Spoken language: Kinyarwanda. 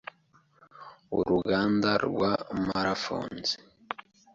Uruganda rwa Mara Phones